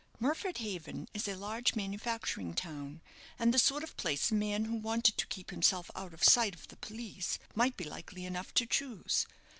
Murford Haven is a large manufacturing town, and the sort of place a man who wanted to keep himself out of sight of the police might be likely enough to choose.